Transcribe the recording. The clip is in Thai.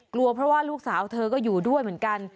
กลัวเพราะว่าลูกสาวเธอก็อยู่ด้วยเหมือนกัน